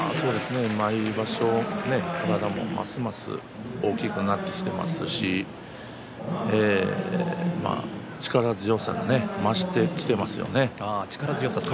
毎場所、体もますます大きくなってきていますし力強さが増してきていますよね。